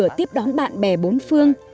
nơi ông tiếp đón bạn bè bốn phương